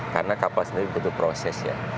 karena kapal sendiri butuh prosesnya